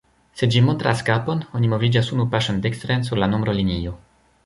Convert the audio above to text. Se ĝi montras kapon, oni moviĝas unu paŝon dekstren sur la nombro-linio.